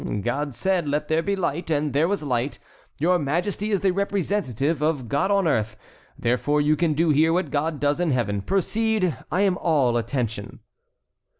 "God said, 'Let there be light,' and there was light. Your Majesty is the representative of God on earth. Therefore you can do here what God does in heaven. Proceed; I am all attention."